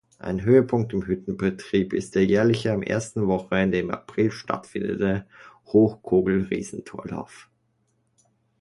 Ein Höhepunkt im Hüttenbetrieb ist der jährlich am ersten Wochenende im April stattfindende Hochkogel-Riesentorlauf.